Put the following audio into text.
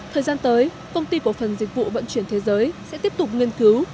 thời gian tới công ty cổ phần dịch vụ vận chuyển thế giới sẽ tiếp tục nghiên cứu